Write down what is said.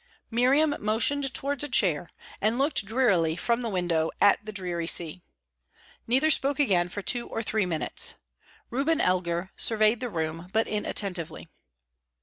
Miriam motioned towards a chair, and looked drearily from the window at the dreary sea. Neither spoke again for two or three minutes. Reuben Elgar surveyed the room, but inattentively.